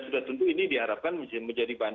sudah tentu ini diharapkan menjadi bahan